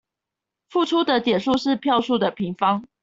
付出的點數是票數的平方